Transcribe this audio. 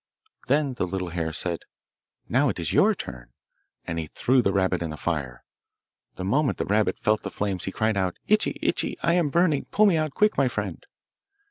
Then the little hare said, 'Now it is your turn!' and he threw the rabbit in the fire. The moment the rabbit felt the flames he cried out 'Itchi, Itchi, I am burning; pull me out quick, my friend!